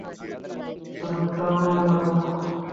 শুধু তাল মেলাও!